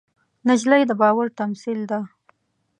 نجلۍ د باور تمثیل ده.